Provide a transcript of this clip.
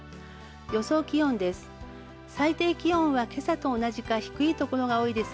予想気温です。